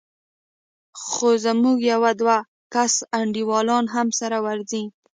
خو زموږ يو دوه کسه انډيوالان هم ورسره ځي.